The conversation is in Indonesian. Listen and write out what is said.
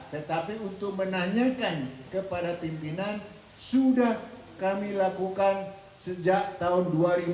tetapi untuk menanyakan kepada pimpinan sudah kami lakukan sejak tahun dua ribu tujuh belas